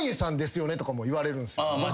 言われるんすよ。